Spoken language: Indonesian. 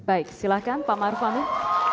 baik silahkan pak marufan